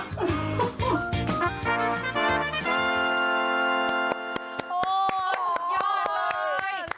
โอ้โห